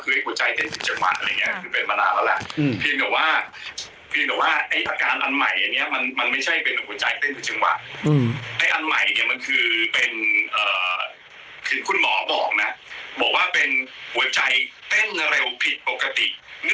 โอเควันจันทรมาหรือเปราะคนเขาลองเล่นคุณยู